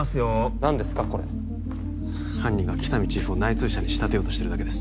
何ですかこれ犯人が喜多見チーフを内通者に仕立てようとしているだけです